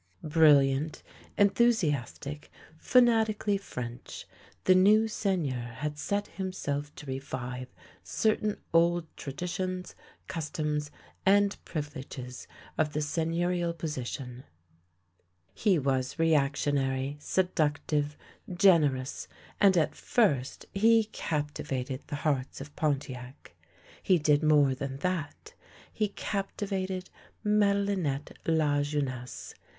Brilliant, enthusiastic, fanatically French, the new Seigneur had set himself to revive certain old tradi THE LANE THAT HAD NO TURNING 3 tions, customs, and privileges of the seigneurial posi tion. He was reactionary, seductive, generous, and at first he captivated the hearts of Pontiac. He did more than that. He captivated Madehnette Lajeunesse.